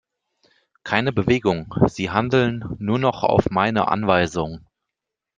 Keine Bewegung, sie handeln nur noch auf meine Anweisung!